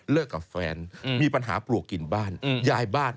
กับแฟนมีปัญหาปลวกกินบ้านย้ายบ้าน